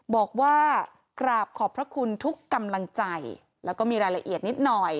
บอกว่ากราบขอบพระคุณทุกกำลังใจแล้วก็มีรายละเอียดนิดหน่อย